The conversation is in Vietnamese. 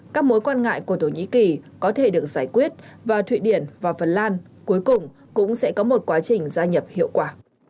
các mối quan ngại của thổ nhĩ kỳ có thể được giải quyết và thụy điển và phần lan cuối cùng cũng sẽ có một quá trình gia nhập hiệu quả